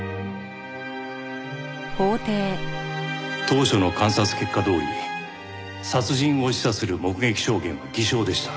当初の監察結果どおり殺人を示唆する目撃証言は偽証でした。